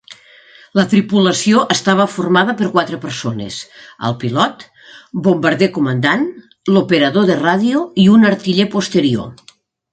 La tripulació estava formada per quatre persones: el pilot, bombarder comandant, l'operador de ràdio i un artiller posterior.